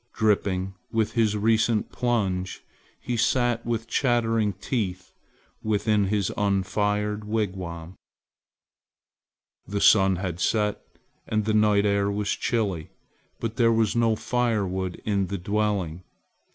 Dripping with his recent plunge he sat with chattering teeth within his unfired wigwam. The sun had set and the night air was chilly, but there was no fire wood in the dwelling.